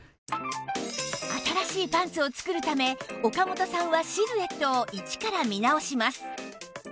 新しいパンツを作るため岡本さんはシルエットを一から見直します